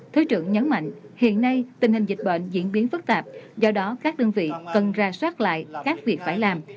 thứ trưởng nhấn mạnh hiện nay tình hình dịch bệnh diễn biến phức tạp do đó các đơn vị cần ra soát lại các việc phải làm